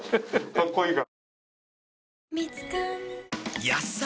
かっこいいから？